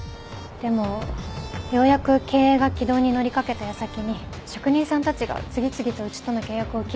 でもようやく経営が軌道に乗りかけた矢先に職人さんたちが次々とうちとの契約を切るようになって。